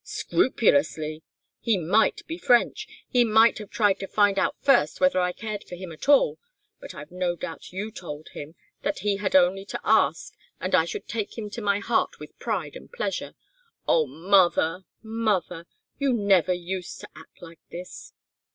"Scrupulously! He might be French! He might have tried to find out first whether I cared for him at all. But I've no doubt you told him that he had only to ask and I should take him to my heart with pride and pleasure! Oh, mother, mother! You never used to act like this!"